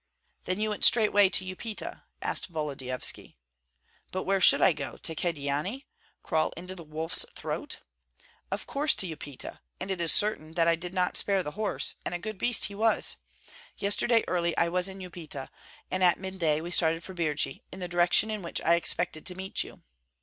"Then you went straightway to Upita?" asked Volodyovski. "But where should I go, to Kyedani? crawl into the wolf's throat? Of course to Upita; and it is certain that I did not spare the horse, and a good beast he was. Yesterday early I was in Upita, and at midday we started for Birji, in the direction in which I expected to meet you."